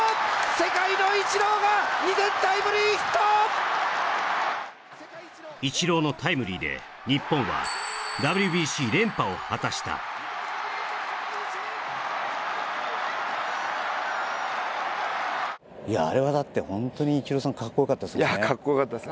世界のイチローが２点タイムリーヒットイチローのタイムリーで日本はＷＢＣ連覇を果たしたいやあれはだってホントにイチローさんカッコよかったですもんねカッコよかったです